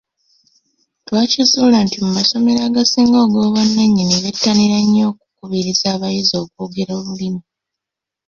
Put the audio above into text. Twakizuula nti mu masomero agasinga ag’obwannannyini bettanira nnyo okukubiriza abayizi okwogera Olulimi.